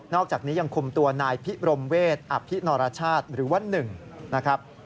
อกจากนี้ยังคุมตัวนายพิรมเวศอภินรชาติหรือว่าหนึ่งนะครับ